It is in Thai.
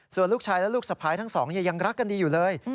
ส่วนลูกชายและลูกสะพ้ายทั้งสองยังรักกันดีอยู่เลย